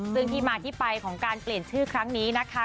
ซึ่งที่มาที่ไปของการเปลี่ยนชื่อครั้งนี้นะคะ